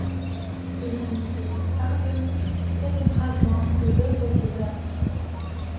Il ne nous est parvenu que des fragments de deux de ses œuvres.